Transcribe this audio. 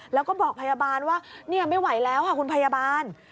แล้วก็บอกพยาบาลว่าไม่ไหวแล้วค่ะคุณพยาบาล